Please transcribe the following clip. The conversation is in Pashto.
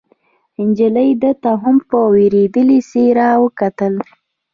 نجلۍ ده ته هم په وېرېدلې څېره وکتل.